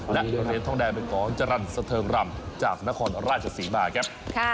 และเหรียญทองแดงเป็นของจรรย์สะเทิงรำจากนครราชศรีมาครับ